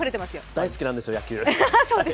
大好きなんですよ、野球。